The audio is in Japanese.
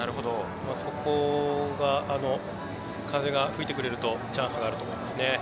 そこが風が吹いてくれるとチャンスがあると思います。